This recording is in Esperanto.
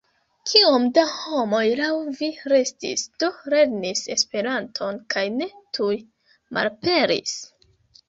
Kiom da homoj laŭ vi restis, do lernis Esperanton kaj ne tuj malaperis?